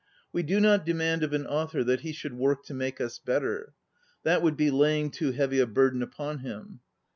We do not demand of an author that he should work to make us better; that would be laying too heavy a burden upon him.